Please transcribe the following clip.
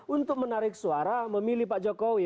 untuk menarik suara memilih pak jokowi